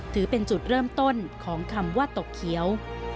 ถือเป็นจุดเริ่มต้นของคำว่าตกเขียว